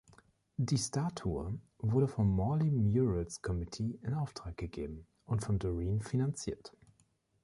Die Statue wurde vom Morley Murals Committee in Auftrag gegeben und von Doreen finanziert.